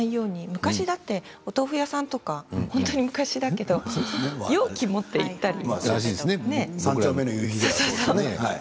昔だって豆腐屋さんは本当に昔だけど容器を持って行ったり。